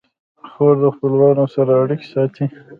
خور د خپلوانو سره اړیکې ساتي.